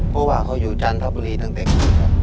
เพราะว่าเขาอยู่จันทบุรีตั้งแต่คืน